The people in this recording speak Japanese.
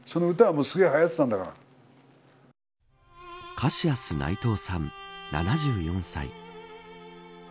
カシアス内藤さん７４歳。